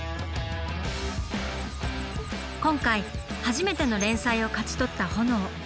今回初めての連載を勝ち取ったホノオ。